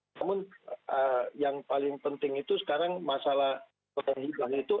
namun yang paling penting itu sekarang masalah hibah itu